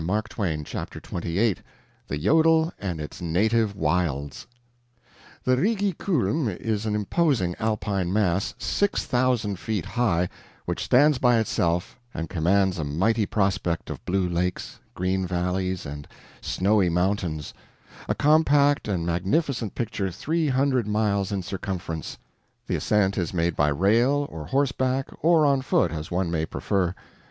GUTEN TAG." CHAPTER XXVIII [The Jodel and Its Native Wilds] The Rigi Kulm is an imposing Alpine mass, six thousand feet high, which stands by itself, and commands a mighty prospect of blue lakes, green valleys, and snowy mountains a compact and magnificent picture three hundred miles in circumference. The ascent is made by rail, or horseback, or on foot, as one may prefer.